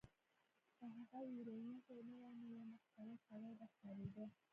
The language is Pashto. که هغه ویرونکی نه وای نو یو مسخره سړی به ښکاریده